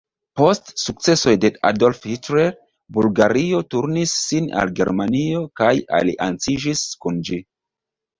Post sukcesoj de Adolf Hitler, Bulgario turnis sin al Germanio kaj alianciĝis kun ĝi.